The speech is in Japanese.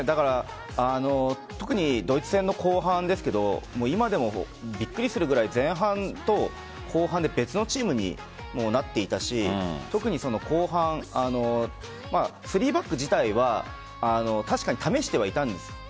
特にドイツ戦の後半ですが今でもびっくりするぐらい前半と後半で別のチームになっていたし特に後半３バック自体は確かに試してはいたんです。